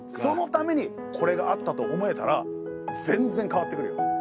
そのためにこれがあったと思えたら全然変わってくるよ。